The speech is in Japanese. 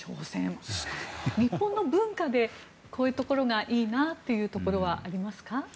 日本の文化でこういうところがいいなというところはありますか。